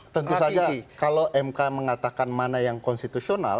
tentu saja kalau mk mengatakan mana yang konstitusional